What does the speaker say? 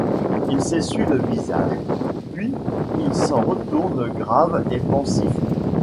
Il s’essuie le visage, puis il s’en retourne grave et pensif.